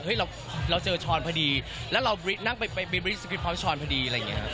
เฮ้ยเราเจอชอนพอดีแล้วเรานั่งไปบริสกินพร้อมชอนพอดีอะไรอย่างเงี้ย